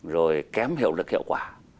rồi kém hiệu lực hiệu quả